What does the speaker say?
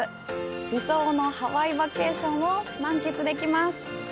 理想のハワイバケーションを満喫できます。